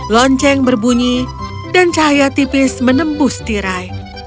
lonceng berbunyi dan cahaya tipis menembus tirai